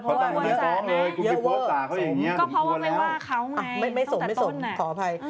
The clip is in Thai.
เยอะเวอร์เพราะว่าไม่ว่าเขาไงไม่ส่งขออภัย